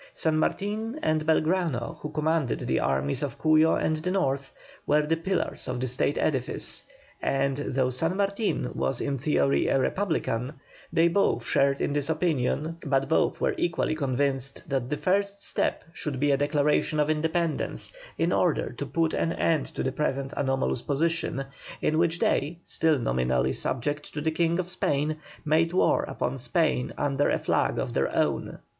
San Martin and Belgrano, who commanded the armies of Cuyo and the North, were the pillars of the State edifice, and, though San Martin was in theory a Republican, they both shared in this opinion, but both were equally convinced that the first step should be a Declaration of Independence, in order to put an end to the present anomalous position, in which they, still nominally subject to the King of Spain, made war upon Spain under a flag of their own.